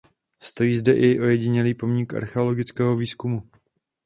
Stojí zde i ojedinělý pomník archeologického výzkumu.